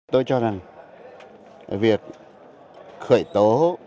tôi cho rằng việc khởi tố